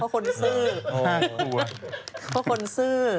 เพราะคนซื่อ